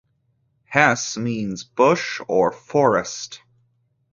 'Hese' means bush or forest.